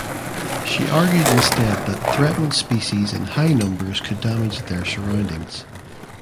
She argued instead that threatened species in high numbers could damage their surroundings.